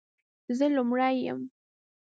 زه لومړۍ یم،